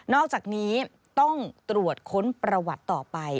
อกจากนี้ต้องตรวจค้นประวัติต่อไป